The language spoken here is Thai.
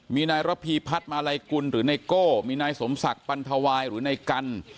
มีนายระพีพัฒน์มาลัยกุลหรือไนโก้มีนายสมศักดิ์ปันทวายหรือนายกัน